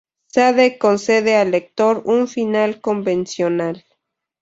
Sade concede al lector un final convencional.